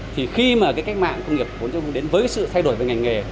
thì khi mà cái cách mạng công nghiệp bốn đến với sự thay đổi về ngành nghề